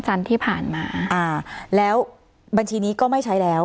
ไม่ค่ะรับรับวันที่ที่โพสอ่า